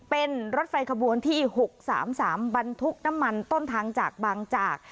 เป็นรถไฟขบวนที่๖๓๓บรรทุกน้ำมันต้นทางจากบางจาก